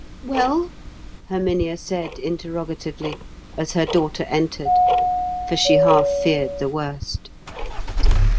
"Well?" Herminia said interrogatively, as her daughter entered, for she half feared the worst.